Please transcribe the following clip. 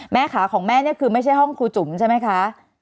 ขาของแม่นี่คือไม่ใช่ห้องครูจุ๋มใช่ไหมคะ